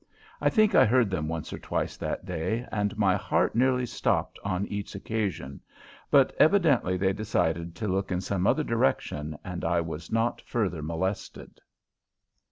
I think I heard them once or twice that day, and my heart nearly stopped on each occasion, but evidently they decided to look in some other direction and I was not further molested.